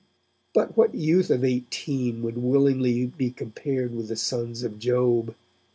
But what youth of eighteen would willingly be compared with the sons of Job?